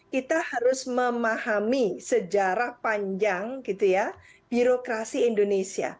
kita harus memahami sejarah panjang birokrasi indonesia